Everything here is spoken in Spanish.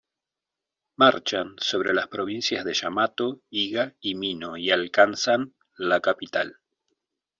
Marchan sobre las provincias de Yamato, Iga y Mino y alcanzan la capital.